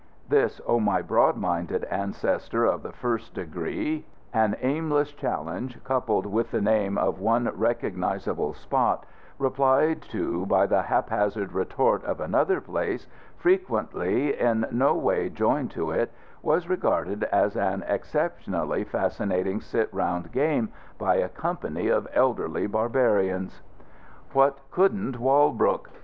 This, O my broad minded ancestor of the first degree an aimless challenge coupled with the name of one recognisable spot, replied to by the haphazard retort of another place, frequently in no way joined to it, was regarded as an exceptionally fascinating sit round game by a company of elderly barbarians! "What couldn't Walbrook?"